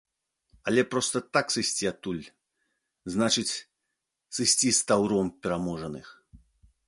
Але проста так сысці адтуль, значыць, сысці з таўром пераможаных.